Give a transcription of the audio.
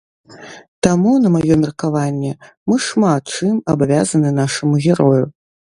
Таму, на маё меркаванне, мы шмат чым абавязаны нашаму герою.